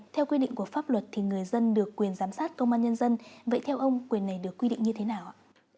theo quy định của pháp luật thì người dân được quyền giám sát công an nhân dân vậy theo ông quyền này được quy định như thế nào ạ